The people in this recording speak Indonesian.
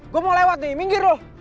gue mau lewat nih minggir loh